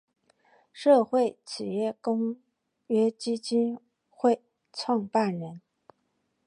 社会企业公约基金会创办人。